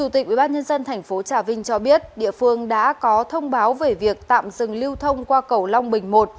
thành phố trà vinh cho biết địa phương đã có thông báo về việc tạm dừng lưu thông qua cầu long bình một